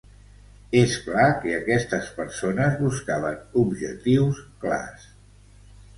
És clar que aquestes persones buscaven objectius clars.